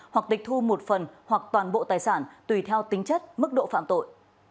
hoặc tịch thu một phần hoặc toàn bộ tài sản tùy theo tính chất mức độ phạm tội